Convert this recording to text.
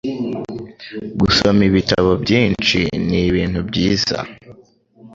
Gusoma ibitabo byinshi nibintu byiza.